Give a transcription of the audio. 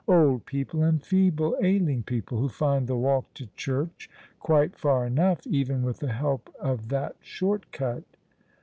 " Old jDeople, and feeble, ailing peoi3le, who find the walk to church quite far enough even with the help of that short cut."